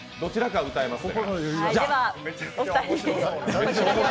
どちらかが歌います。